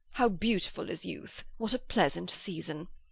How beautiful is youth, what a pleasant season!